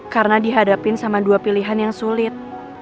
karena dihadapin sama dua pilihan yang sulit